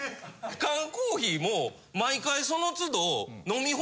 缶コーヒーも毎回その都度。